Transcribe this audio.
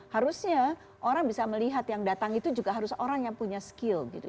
harusnya orang bisa melihat yang datang itu juga harus orang yang punya skill gitu